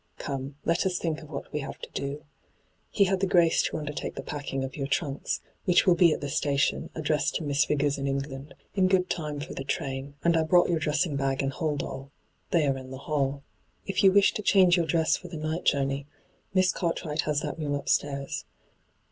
Come, let U3 think of what we have to do. He had the grace to undertake the packing of your trunks, which will be at the station, addressed to Miss yigors in England, in good time for the train ; and I brought your dressing bag and " hold all "— they are in the hall. If you wish to change your dress for the night journey. Miss Cartwright has that room upstairs.